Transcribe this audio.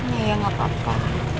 ya ya gak apa apa